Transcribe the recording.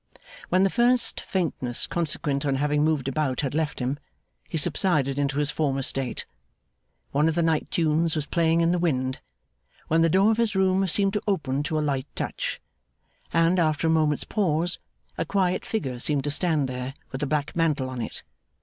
When the first faintness consequent on having moved about had left him, he subsided into his former state. One of the night tunes was playing in the wind, when the door of his room seemed to open to a light touch, and, after a moment's pause, a quiet figure seemed to stand there, with a black mantle on it.